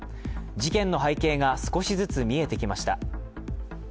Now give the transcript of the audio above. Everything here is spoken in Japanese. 事件の背景が少しずつ見えてきました。